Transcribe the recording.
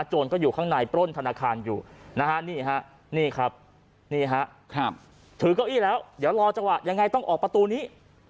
โจรก็อยู่ข้างในปล้นธนาคารอยู่นี่ครับถือก้าวอี้แล้วเดี๋ยวรอจังหวะยังไงต้องออกประตูนี้